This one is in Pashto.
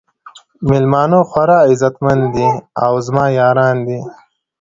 میلمانه خورا عزت مند دي او زما یاران دي.